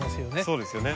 そうですよね。